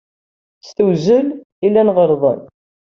S tewzel, llan ɣelḍen.